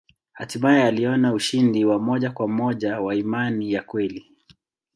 Hatimaye aliona ushindi wa moja kwa moja wa imani ya kweli.